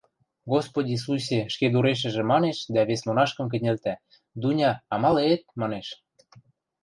– Господи сусе, – ӹшкедурешӹжӹ манеш дӓ вес монашкым кӹньӹлтӓ, – Дуня, амале-эт? – манеш.